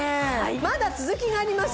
まだ続きがあります